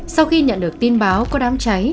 sau khi nhận được tin báo có đám trai